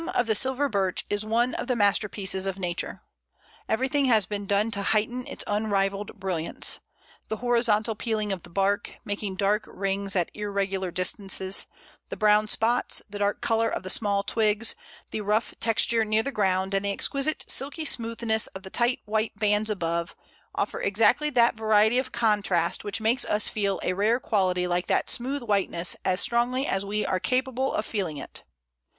of the Silver Birch is one of the masterpieces of Nature. Everything has been done to heighten its unrivalled brilliance. The horizontal peeling of the bark, making dark rings at irregular distances, the brown spots, the dark colour of the small twigs, the rough texture near the ground, and the exquisite silky smoothness of the tight white bands above, offer exactly that variety of contrast which makes us feel a rare quality like that smooth whiteness as strongly as we are capable of feeling it.